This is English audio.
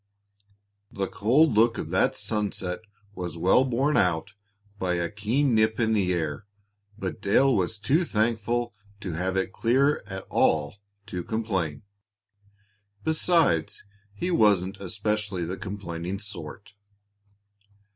The cold look of that sunset was well borne out by a keen nip in the air, but Dale was too thankful to have it clear at all to complain. Besides, he wasn't exactly the complaining sort.